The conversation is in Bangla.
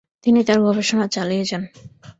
তিনি তার গবেষণা চালিয়ে যান ।